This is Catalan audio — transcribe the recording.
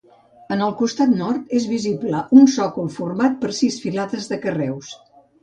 En el costat nord és visible un sòcol format per sis filades de carreus.